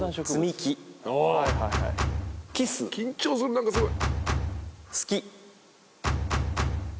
緊張する何かすごい。